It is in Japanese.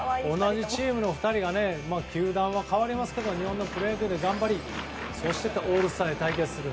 その２人が、球団は変わりますが日本のプロ野球で頑張りそしてオールスターで対決する。